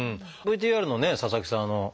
ＶＴＲのね佐々木さん